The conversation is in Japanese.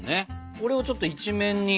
これをちょっと一面に。